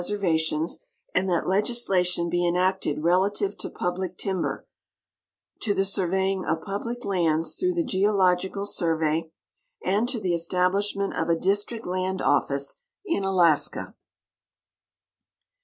ser vat ions, and that legislation be enacted relative to public timber, to the surveying of public lands through the Geological Survey, and to the estiiblishment of a district land office in Alaska.